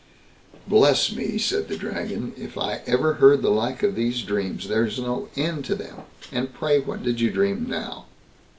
"Bless me!" said the Dragon, "if I ever heard the like of these dreams—there's no end to them. And pray, what did you dream now?"